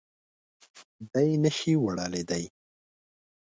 دی نه شي ولاړېدای.